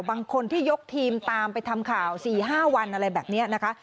บางคนที่ยกทีมตามไปทำข่าว๔๕วันอะไรแบบนี้นะคะ